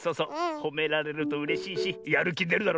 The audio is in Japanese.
ほめられるとうれしいしやるきでるだろ。